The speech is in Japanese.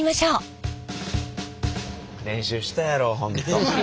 練習したやろうほんと。